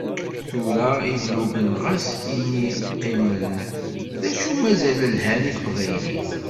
Tura iblugen ɣas ini qqimen, d acu mazal lhan i teqbaylit.